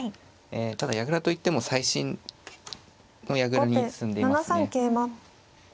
ただ矢倉といっても最新の矢倉に進んでいますね。